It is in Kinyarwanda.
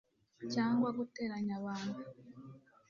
cyangwa guteranya abantu